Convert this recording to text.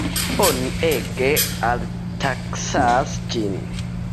Oni ege alttaksas ĝin.